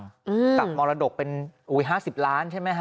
กับมรดกเป็น๕๐ล้านใช่ไหมฮ